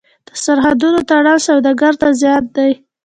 د سرحدونو تړل سوداګر ته زیان دی.